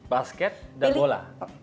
basket dan bola